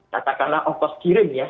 katakanlah on post kirim ya